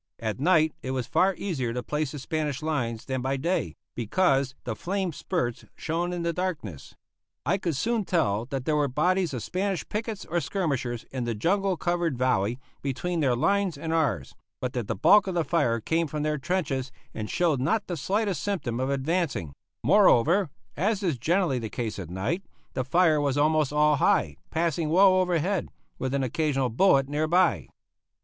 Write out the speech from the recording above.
At night it was far easier to place the Spanish lines than by day, because the flame spurts shone in the darkness. I could soon tell that there were bodies of Spanish pickets or skirmishers in the jungle covered valley, between their lines and ours, but that the bulk of the fire came from their trenches and showed not the slightest symptom of advancing; moreover, as is generally the case at night, the fire was almost all high, passing well overhead, with an occasional bullet near by.